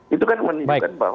itu kan menunjukkan bahwa